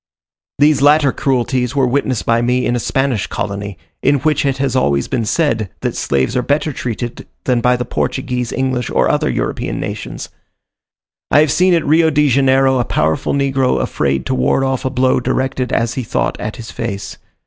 These latter cruelties were witnessed by me in a Spanish colony, in which it has always been said, that slaves are better treated than by the Portuguese, English, or other European nations. I have seen at Rio de Janeiro a powerful negro afraid to ward off a blow directed, as he thought, at his face.